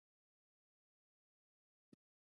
د زکام لپاره د مرغۍ ښوروا وڅښئ